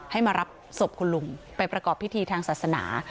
ให้มารับศพคุณลุงไปประกอบพิธีทางศาสนา